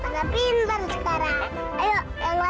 kinder sekarang ayo yang